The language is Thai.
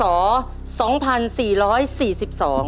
ตัวเลือกที่สอง